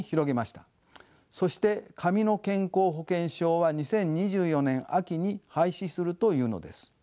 そして紙の健康保険証は２０２４年秋に廃止するというのです。